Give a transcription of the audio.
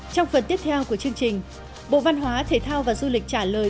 trong phần tiếp theo của chương trình bộ văn hóa thể thao và du lịch trả lời